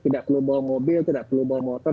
tidak perlu bawa mobil tidak perlu bawa motor